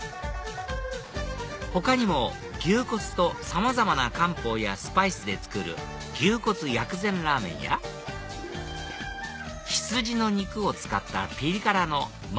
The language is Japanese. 他にも牛骨とさまざまな漢方やスパイスで作る牛骨薬膳拉麺や羊の肉を使ったピリ辛の麻辣